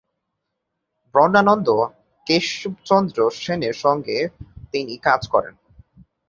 ব্রহ্মানন্দ কেশবচন্দ্র সেনের সঙ্গেও তিনি কাজ করেন।